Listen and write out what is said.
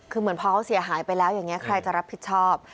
คือเหมือนพอเขาเสียหายไปแล้วอย่างนี้ใครจะรับผิดชอบ